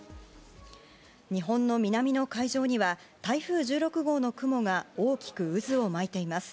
日本の南の海上には台風１６号の雲が大きく渦を巻いています。